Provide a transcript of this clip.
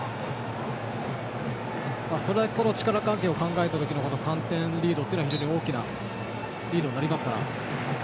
それだけ力関係を考えた時の３点リードは非常に大きなリードになります。